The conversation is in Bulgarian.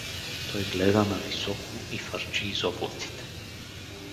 Той гледа нависоко и фърчи из облаците.